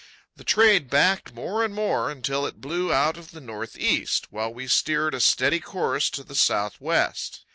The trade backed more and more, until it blew out of the northeast, while we steered a steady course to the southwest.